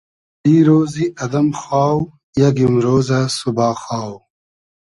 دیرۉزی ادئم خاو ، یئگ ایمرۉزۂ ، سوبا خاو